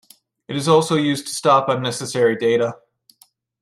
It is also used to stop unnecessary data.